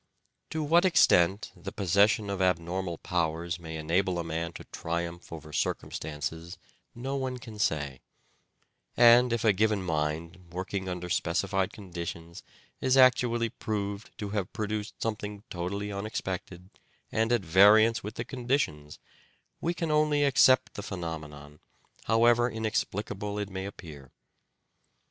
To what extent the possession of abnormal powers may enable a man to triumph over circum stances no one can say ; and if a given mind working under specified conditions is actually proved to have produced something totally unexpected and at variance with the conditions, we can only accept the phenomenon, however inexplicable it may appear.